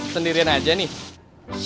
sendirian aja nih